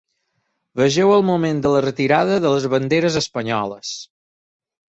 Vegeu el moment de la retirada de les banderes espanyoles.